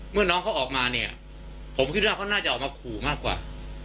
น้องเขาออกมาเนี่ยผมคิดว่าเขาน่าจะออกมาขู่มากกว่า